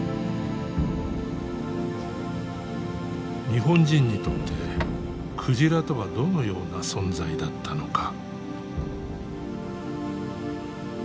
日本人にとって鯨とはどのような存在だったのか。